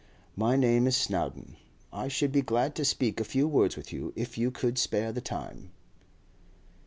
'My name is Snowdon. I should be glad to speak a few words with you, if you could spare the time.